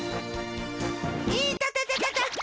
いたたたたた！